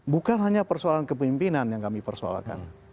bukan hanya persoalan kepemimpinan yang kami persoalkan